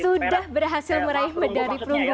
sudah berhasil meraih medali perunggu